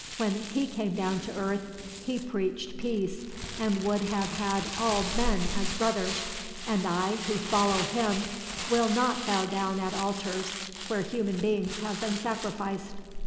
When He came down to earth He preached peace, and would have had all men as brothers; and I, who follow Him, will not bow down at altars where human beings have been sacrificed."